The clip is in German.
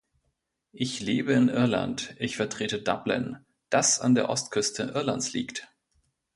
Ich lebe in Irland, ich vertrete Dublin, das an der Ostküste Irlands liegt.